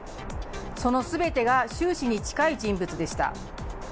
そのすべてが習氏に近い人物でした。